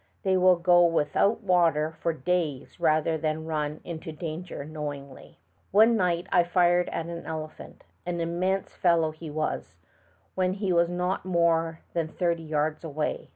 They will go without water for days rather than run into danger knowingly. One night I fired at an elephant — an immense fellow he was, — when he was not more than thirty yards away.